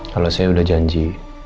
kalau saya udah janji